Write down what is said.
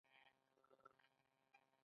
دا پیښه د مورس هډسن په دکان کې وشوه.